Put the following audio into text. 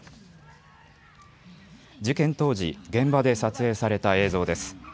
事件当時、現場で撮影された映像です。